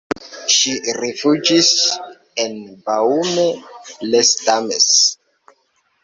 Ŝi rifuĝis en Baume-les-Dames.